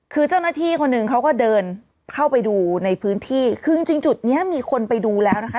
คือเจ้าหน้าที่คนหนึ่งเขาก็เดินเข้าไปดูในพื้นที่คือจริงจริงจุดเนี้ยมีคนไปดูแล้วนะคะ